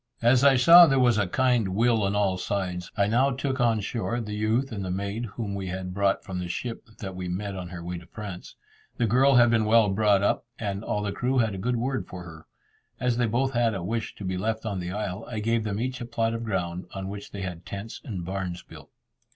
As I saw there was a kind will on all sides, I now took on shore the youth and the maid whom we had brought from the ship that we met on her way to France. The girl had been well brought up, and all the crew had a good word for her. As they both had a wish to be left on the isle, I gave them each a plot of ground, on which they had tents and barns built.